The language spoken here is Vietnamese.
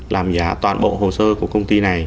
làm giả toàn bộ hồ sơ của công ty này